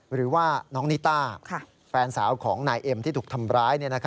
หรือว่าน้องนิต้าแฟนสาวของนายเอ็มที่ถูกทำร้าย